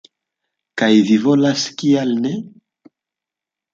Kaj vi volas, kial ne?